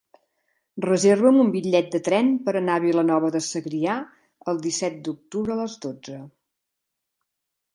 Reserva'm un bitllet de tren per anar a Vilanova de Segrià el disset d'octubre a les dotze.